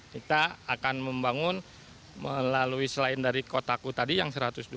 kita akan membangun melalui selain dari kotaku tadi yang satu ratus dua puluh